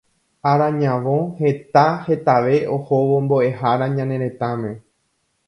Ára ñavõ heta hetave ohóvo mbo'ehára ñane retãme